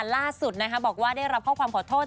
ล่าสุดบอกว่าได้รับข้อความขอโทษ